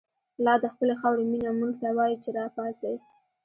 لا دخپلی خاوری مینه، مونږ ته وایی چه ر ا پا څۍ